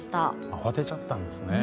慌てちゃったんですね。